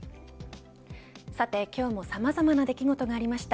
さて今日もさまざまな出来事がありました。